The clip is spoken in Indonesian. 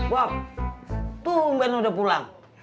bok tuh umben udah pulang